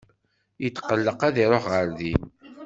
Yetqelleq ad iruḥ ɣer din.